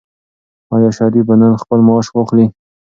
آیا شریف به نن خپل معاش واخلي؟